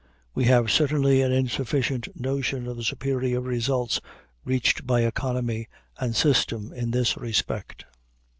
We have certainly an insufficient notion of the superior results reached by economy and system in this respect.